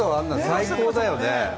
最高だよね。